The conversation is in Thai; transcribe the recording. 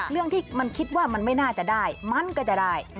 เรื่องที่มันคิดว่ามันไม่น่าจะได้มันก็จะได้